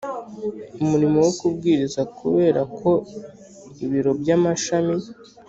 umurimo wo kubwiriza Kubera ko ibiro by amashami